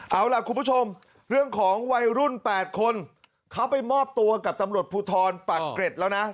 เอาล่ะคุณผู้ชมเรื่องของวัยรุ่น๘คนเขาไปมอบตัวกับตำรวจภูทรปักเกร็ดแล้วนะ